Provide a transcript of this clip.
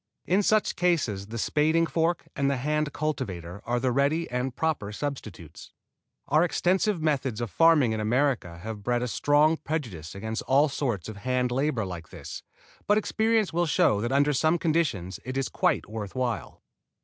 In such cases the spading fork and the hand cultivator are the ready and proper substitutes. Our extensive methods of farming in America have bred a strong prejudice against all sorts of hand labor like this, but experience will show that under some conditions it is quite worth while.